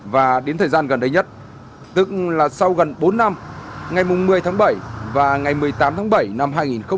và đến thời gian gần đây nhất tức là sau gần bốn năm ngày một mươi tháng bảy và ngày một mươi tám tháng bảy năm hai nghìn một mươi chín